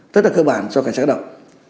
tất cả cơ bản cho cảnh sát cơ động